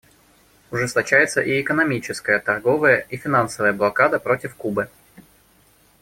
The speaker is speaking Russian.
Ужесточается и экономическая, торговая и финансовая блокада против Кубы.